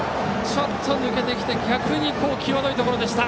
ちょっと抜けてきて逆に際どいところでした。